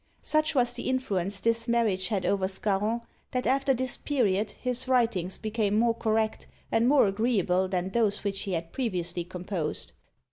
Such was the influence this marriage had over Scarron, that after this period his writings became more correct and more agreeable than those which he had previously composed.